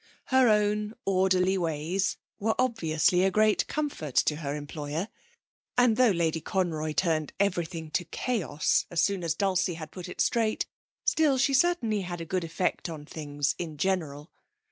Her own orderly ways were obviously a great comfort to her employer, and though Lady Conroy turned everything to chaos as soon as Dulcie had put it straight, still she certainly had a good effect on things in general.